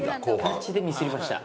ガチでミスりました。